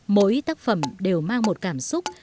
mỗi tác phẩm đều mang một cảm xúc